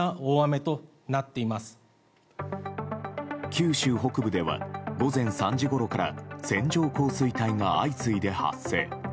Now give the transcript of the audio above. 九州北部では午前３時ごろから線状降水帯が相次いで発生。